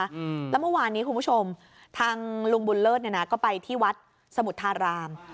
อืมแล้วเมื่อวานนี้คุณผู้ชมทางลุงบุญเลิศเนี่ยนะก็ไปที่วัดสมุทธาราม